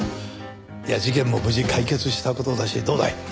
事件も無事解決した事だしどうだい？